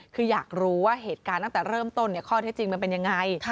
คืออยากรู้ว่าเหตุการณ์ตั้งแต่เริ่มต้นข้อเท็จจริงมันเป็นยังไง